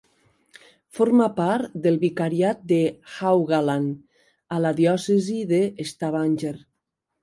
Forma part del vicariat de Haugaland a la diòcesi de Stavanger.